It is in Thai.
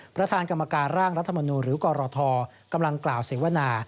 ประธานกรรมการร่างรัฐมนูลหรือกรทกำลังกล่าวเสวนา